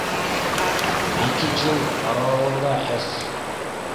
Эки жыл аралыгында С.